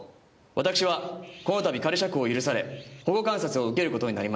「私はこの度仮釈放を許され保護観察を受けることになりました」